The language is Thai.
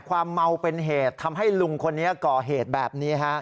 ความเหมาเป็นเหตุทำให้ลุงคนแบบนี้